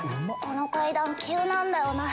この階段急なんだよな。